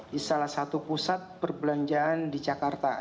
di salah satu pusat perbelanjaan di jakarta